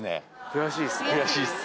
悔しいっす？